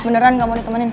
beneran gak mau ditemenin